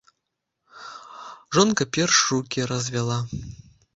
Жонка перш рукі развяла.